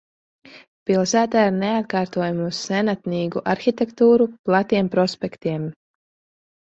Pilsēta ar neatkārtojamu senatnīgu arhitektūru, platiem prospektiem.